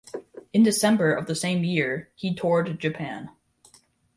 In December of the same year, he toured Japan.